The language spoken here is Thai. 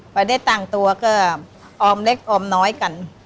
พอได้ตั้งตัวก็ออมเล็กออมน้อยกัน